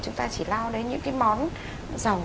chúng ta chỉ lau đến những cái món